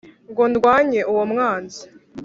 ngo ndwanye uwo mwanzi